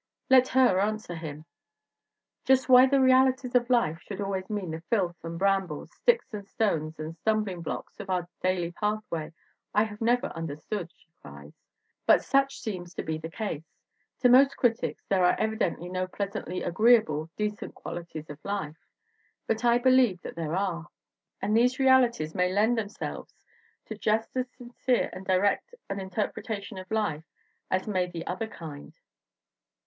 Let her answer him : "Just why the 'realities of life' should always mean the filth and brambles, sticks and stones and stum bling blocks of our daily pathway I have never under stood," she cries. "But such seems to be the case. To most critics there are evidently no pleasantly agreeable, decent qualities of life. But I believe that there are, and these realities may lend themselves to just as sincere and direct an interpretation of life as may the other kind.